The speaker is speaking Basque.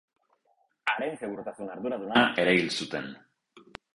Haren segurtasun arduraduna ere hil zuten.